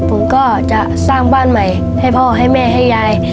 ผมก็จะสร้างบ้านใหม่ให้พ่อให้แม่ให้ยาย